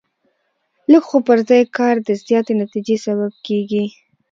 لږ خو پر ځای کار د زیاتې نتیجې سبب کېږي.